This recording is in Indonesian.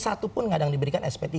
satu pun kadang diberikan sp tiga